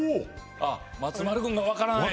松丸君が分からない。